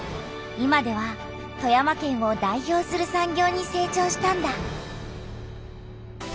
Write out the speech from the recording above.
今では富山県を代表する産業にせい長したんだ。